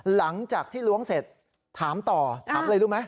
หลังจากที่ล้วงเสร็จถามต่อถามอะไรรู้ไหม